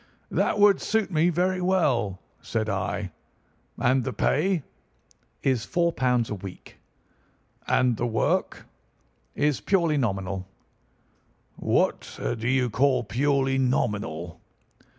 "'That would suit me very well,' said I. 'And the pay?' "'Is £ 4 a week.' "'And the work?' "'Is purely nominal.' "'What do you call purely nominal?